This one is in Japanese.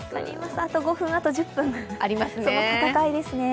あと５分、あと１０分、その戦いですね。